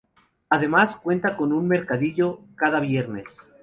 Además, cuenta con un mercadillo cada viernes.